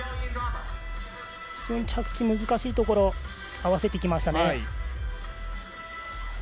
非常に着地が難しいところ合わせていきましたね。